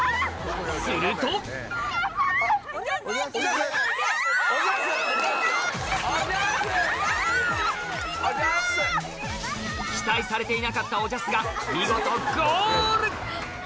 すると期待されていなかったおじゃすが見事ゴール！